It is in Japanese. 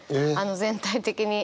全体的に。